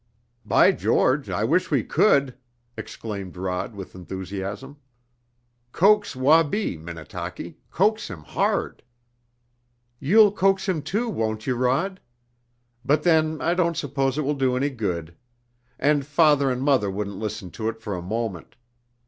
"By George, I wish we could!" exclaimed Rod with enthusiasm. "Coax Wabi, Minnetaki coax him hard." "You'll coax him, too, won't you, Rod? But then, I don't suppose it will do any good. And father and mother wouldn't listen to it for a moment.